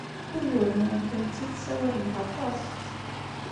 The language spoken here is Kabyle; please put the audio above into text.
Ugur-nwent netta tessawalemt aṭas.